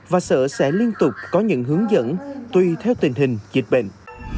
và sở sẽ liên tục có những hướng dẫn tùy theo tình hình dịch bệnh